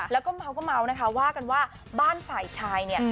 แล้วก็เมาก็เมานะคะว่ากันว่าบ้านฝ่ายชายเนี่ย